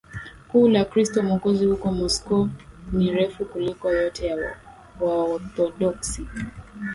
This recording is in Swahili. kuu la Kristo Mwokozi huko Moscow ni refu kuliko yote ya Waorthodoksi